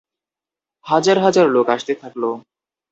হাজার হাজার লোক আসতে থাকল।